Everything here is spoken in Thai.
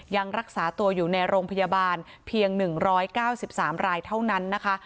ยังรักษาตัวอยู่ในโรงพยาบาลเพียง๑๙๓รายเท่านั้นนะคะ